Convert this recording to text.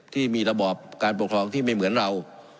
ที่มีระบอบการปกครองที่ไม่เหมือนเรา